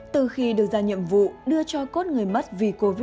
từ khi được ra nhiệm vụ đưa cho cốt người mất vì covid một mươi